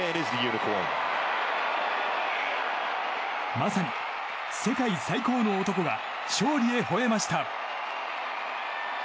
まさに世界最高の男が勝利へ、ほえました。